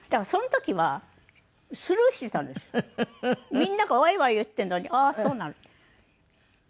みんながワイワイ言っているのにああーそうなのって。